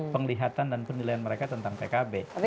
penglihatan dan penilaian mereka tentang pkb